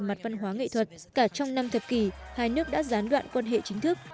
mặt văn hóa nghệ thuật cả trong năm thập kỷ hai nước đã gián đoạn quan hệ chính thức